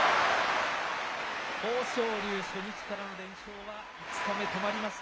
豊昇龍、初日からの連勝は５日目、止まりました。